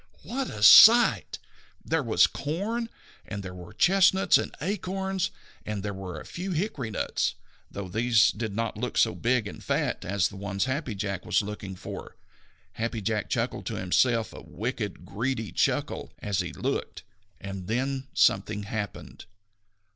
What a sight! There was corn! and there were chestnuts and acorns! and there were a few hickory nuts, though these did not look so big and fat as the ones Happy Jack was looking for! Happy Jack chuckled to himself, a wicked, greedy chuckle, as he looked. And then something happened.